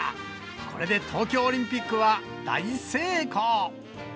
これで東京オリンピックは大成功！